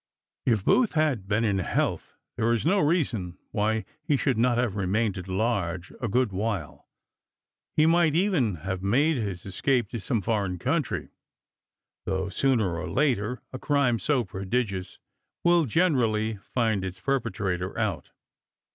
If Booth had been in health there is no reason why he should not have remained at large a good while ; he might even have made his escape to some foreign country, though, sooner or later, a crime so prodigious will generally find its perpetrator out.